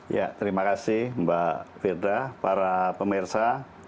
ya terima kasih mbak firda para pemirsa